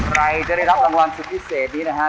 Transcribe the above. ใครจะได้รับรางวัลสุดพิเศษนี้นะฮะ